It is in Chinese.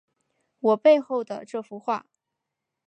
我背后的这幅画